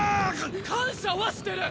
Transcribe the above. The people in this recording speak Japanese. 感謝はしてる！